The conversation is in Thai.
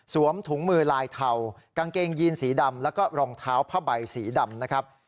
ถุงมือลายเทากางเกงยีนสีดำแล้วก็รองเท้าผ้าใบสีดำนะครับ